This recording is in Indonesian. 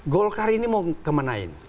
golkar ini mau kemenain